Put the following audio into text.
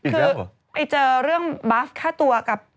คือไปเจอเรื่องบาสฆ่าตัวกับ